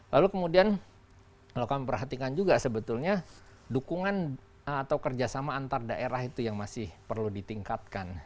lalu kemudian kalau kami perhatikan juga sebetulnya dukungan atau kerjasama antar daerah itu yang masih perlu ditingkatkan